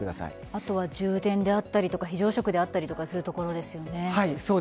あとは充電であったり非常食であったりするところですよね。